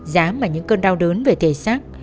giá mà những cơn đau đớn về thể xác